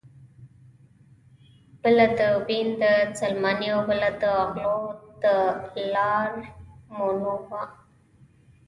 بله د وین د سلماني او بله د غلو د الارمونو وه